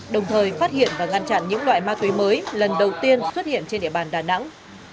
đồng thời phát hiện và ngăn chặn những loại ma túy mới lần đầu tiên xuất hiện trên địa bàn đà nẵng